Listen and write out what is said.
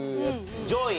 上位？